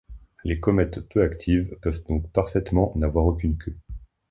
Les comètes peu actives peuvent donc parfaitement n'avoir aucune queue.